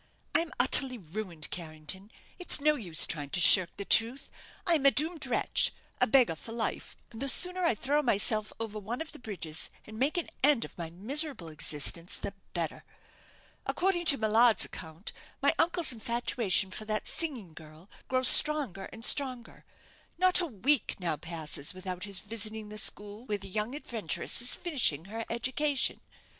"I am utterly ruined, Carrington. It's no use trying to shirk the truth. I am a doomed wretch, a beggar for life, and the sooner I throw myself over one of the bridges, and make an end of my miserable existence, the better. According to Millard's account my uncle's infatuation for that singing girl grows stronger and stronger. Not a week now passes without his visiting the school where the young adventuress is finishing her education.